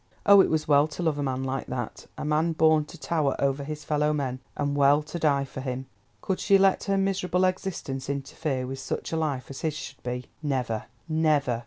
Oh, it was well to love a man like that, a man born to tower over his fellow men—and well to die for him! Could she let her miserable existence interfere with such a life as his should be? Never, never!